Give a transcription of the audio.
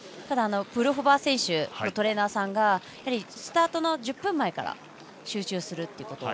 ただ、ブルホバー選手のトレーナーさんがスタートの１０分前から集中するんだと。